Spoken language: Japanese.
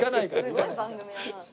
すごい番組だな。